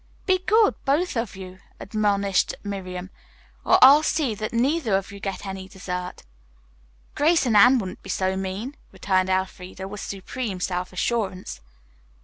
"Be good, both of you," admonished Miriam, "or I'll see that neither of you get any dessert." "Grace and Anne wouldn't be so mean," returned Elfreda with supreme self assurance.